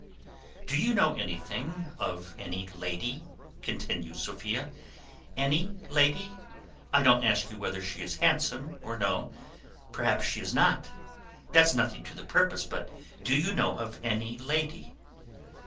"Do you know anything of any lady?" continues Sophia, "any lady? I don't ask you whether she is handsome or no; perhaps she is not; that's nothing to the purpose; but do you know of any lady?"